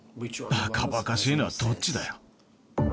ばかばかしいのはどっちだよ。